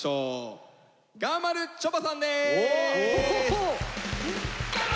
がまるちょばさんです。